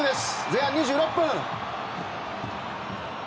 前半２６分。